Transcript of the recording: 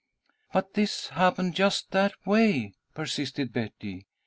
"But this happened just that way," persisted Betty.